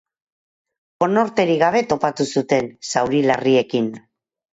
Konorterik gabe topatu zuten, zauri larriekin.